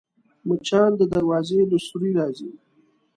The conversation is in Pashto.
مچان د دروازې له سوري راځي